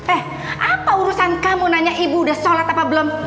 eh apa urusan kamu nanya ibu udah sholat apa belum